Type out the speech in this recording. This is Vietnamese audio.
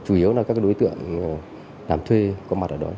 chủ yếu là các đối tượng làm thuê có mặt ở đó